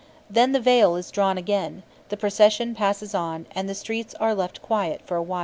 Then the veil is drawn again, the procession passes on, and the streets are left quiet for awhile.